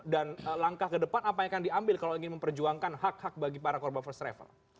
dan langkah ke depan apa yang akan diambil kalau ingin memperjuangkan hak hak bagi para korban first travel